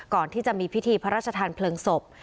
ก่อนที่จะมีพิธีพระราชทานเพลิงศพ